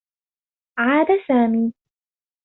عاد سامي.